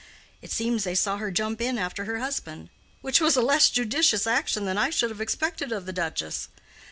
It seems they saw her jump in after her husband, which was a less judicious action than I should have expected of the Duchess.